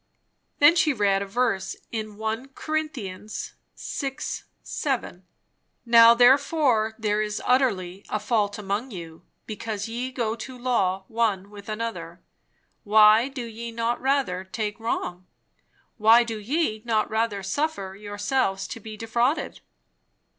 Then she read a verse in 1 Corinthians vi. 7. "Now therefore there is utterly a fault among you, because ye go to law one with another. Why do ye not rather take wrong? why do ye not rather suffer yourselves to be defrauded?"